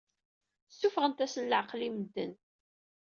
Ssuffɣent-asen leɛqel i medden.